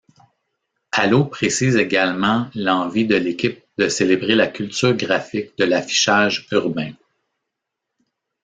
Alaux précise également l'envie de l'équipe de célébrer la culture graphique de l'affichage urbain.